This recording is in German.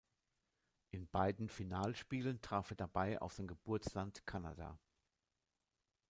In beiden Finalspielen traf er dabei auf sein Geburtsland Kanada.